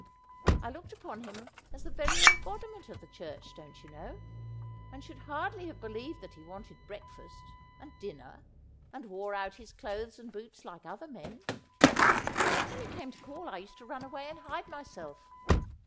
I looked upon him as the very embodiment of the Church, don't you know, and should hardly have believed that he wanted breakfast and din ner, and wore out his clothes and boots like other men. When he came to call I used to run away and hide myself.